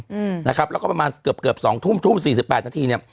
อืมนะครับแล้วก็ประมาณเกือบเกือบสองทุ่มทุ่มสี่สิบแปดนาทีเนี้ย